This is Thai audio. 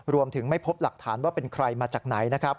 รวมถึงไม่พบหลักฐานว่าเป็นใครมาจากไหนนะครับ